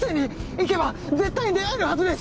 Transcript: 行けば絶対に出会えるはずです！